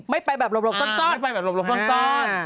ไม่ไปแบบหลบหลบซ่อนซ่อนไม่ไปแบบหลบหลบซ่อนซ่อนอ่า